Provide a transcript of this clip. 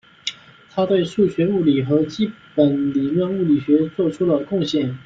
他对数学物理和基本理论物理学做出了贡献。